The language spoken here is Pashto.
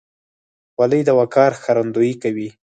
خولۍ د وقار ښکارندویي کوي.